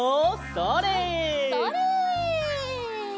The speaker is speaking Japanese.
それ。